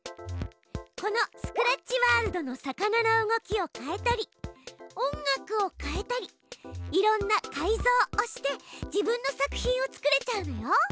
このスクラッチワールドの魚の動きを変えたり音楽を変えたりいろんな改造をして自分の作品を作れちゃうのよ。